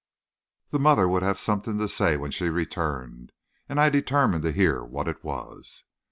The mother would have something to say when she returned, and I determined to hear what it was.